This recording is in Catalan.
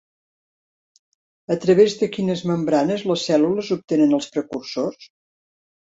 A través de quines membranes les cèl·lules obtenen els precursors?